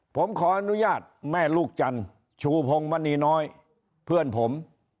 ผมขออนุญาตแม่ลูกจันทร์ชูพงมณีน้อยเพื่อนผม